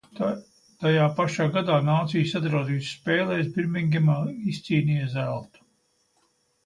Tajā pašā gadā Nāciju Sadraudzības spēlēs Birmingemā izcīnīja zeltu.